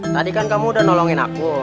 tadi kan kamu udah nolongin aku